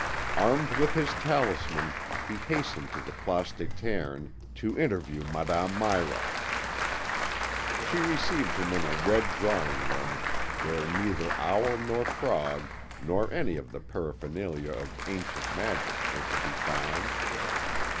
Armed with his talisman, he hastened to the Place des Ternes, to interview Madame Mira. She received him in a red drawing room where neither owl nor frog nor any of the paraphernalia of ancient magic were to be found.